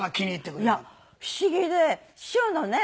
いや不思議で師匠のね